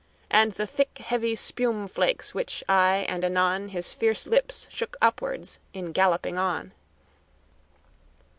And the thick, heavy spume flakes which aye and anon His fierce lips shook upward in galloping on.